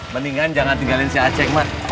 mendingan jangan tinggalin si acek ma